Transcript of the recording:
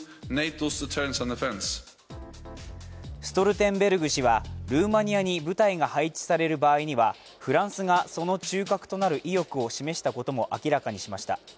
ストルテンベルグ氏はルーマニアに部隊が配置される場合にはフランスがその中核となる意欲を示したことも明らかにしました。